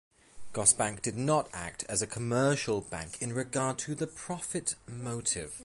Gosbank did not act as a commercial bank in regard to the profit motive.